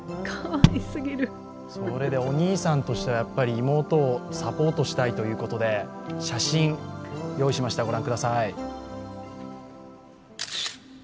かわいすぎるそれでお兄さんとしては、やっぱり妹をサポートしたいということで、写真、用意しましたご覧ください。